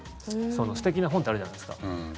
素敵な本ってあるじゃないですか。